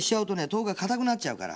豆腐がかたくなっちゃうから。